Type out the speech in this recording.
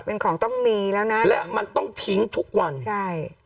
เป็นของต้องมีแล้วนะและมันต้องทิ้งทุกวันใช่